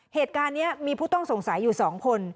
เหตุการณ์นี้มีผู้ต้องสงสัยอยู่๒คน